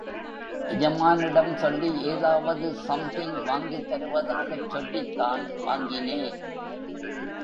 எஜமானிடம் சொல்லி ஏதாவது சம்திங் வாங்கித் தருவதாகச் சொல்லித்தான் வாங்கினே.